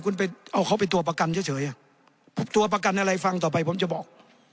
คุณไปเอาเขาเป็นตัวประกันเฉยอ่ะตัวประกันอะไรฟังต่อไปผมจะบอก